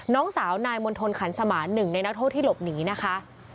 น้องสาวนายมณฑลขันสมานหนึ่งในนักโทษที่หลบหนีนะคะ